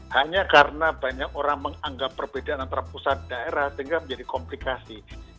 hanya karena banyak orang menganggap perbedaan antara pusat daerah sehingga menjadi komplikasi